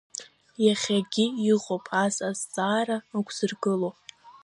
Иахьагьы иҟоуп ас азҵаара ықәзыргыло.